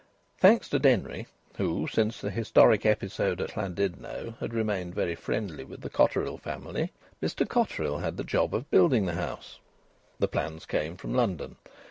Thanks to Denry, who, since the historic episode at Llandudno, had remained very friendly with the Cotterill family, Mr Cotterill had the job of building the house; the plans came from London.